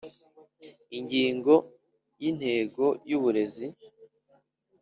Ingingo ya intego y uburezi